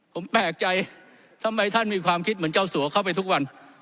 ผมแปลกใจทำไมท่านมีความคิดเหมือนเจ้าสัวเข้าไปทุกวัน